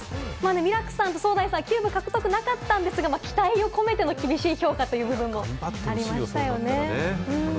ミラクさんとソウダイさん、キューブ獲得なかったんですが、期待を込めてという厳しい評価というところもありましたよね。